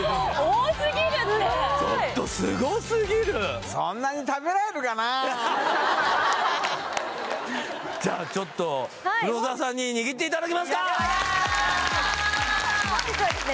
多すぎるってちょっとすごすぎるじゃあちょっと黒澤さんに握っていただきますかやった本日はですね